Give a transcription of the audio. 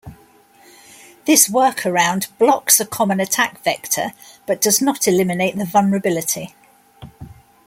This workaround blocks a common attack vector but does not eliminate the vulnerability.